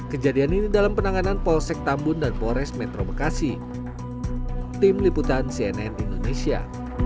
kejadian ini dalam penanganan polsek tambun dan polres metro bekasi tim liputan cnn indonesia